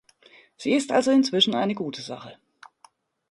Sie ist also inzwischen eine gute Sache.